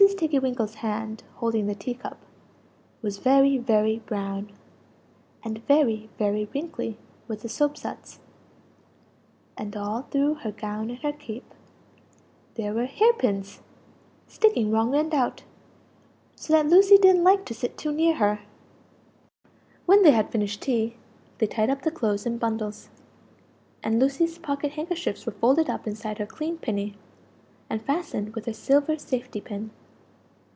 Tiggy winkle's hand, holding the tea cup, was very very brown, and very very wrinkly with the soap suds; and all through her gown and her cap, there were hair pins sticking wrong end out; so that Lucie didn't like to sit too near her. When they had finished tea, they tied up the clothes in bundles; and Lucie's pocket handkerchiefs were folded up inside her clean pinny, and fastened with a silver safety pin.